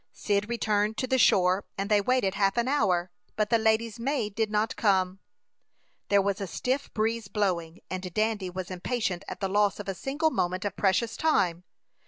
Cyd returned to the shore, and they waited half an hour, but the lady's maid did not come. There was a stiff breeze blowing, and Dandy was impatient at the loss of a single moment of precious time.